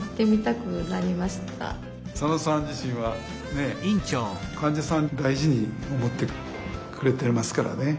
佐野さん自身は患者さんを大事に思ってくれていますからね。